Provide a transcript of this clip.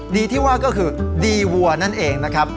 ดีที่ว่าก็คือดีวัวนั่นเองนะครับ